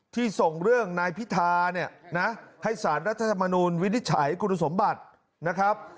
ส่งเรื่องนายพิธาเนี่ยนะให้สารรัฐธรรมนูลวินิจฉัยคุณสมบัตินะครับ